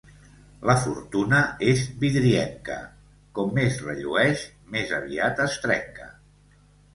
La fortuna és vidrienca: com més rellueix, més aviat es trenca.